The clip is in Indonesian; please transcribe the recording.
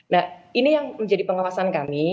nah ini yang menjadi pengawasan kami